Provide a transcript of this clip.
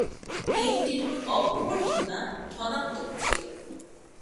গেমটির অভ্যর্থনা ধনাত্মক ছিল।